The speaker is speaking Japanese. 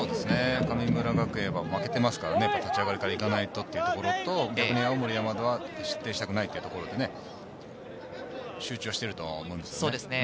神村学園は負けていますから、立ち上がりから行かないとというところと青森山田は失点したくないところで、集中しているとは思いますね。